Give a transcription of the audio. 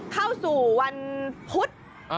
เข้าสู่วันพุธ